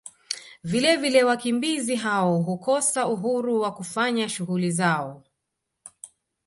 Vilevile wakimbizi hao hukosa Uhuru wa kufanya shughuli zao